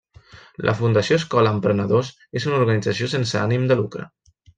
La Fundació Escola Emprenedors és una organització sense ànim de lucre.